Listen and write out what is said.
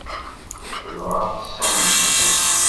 Dɣa ṭṭsent.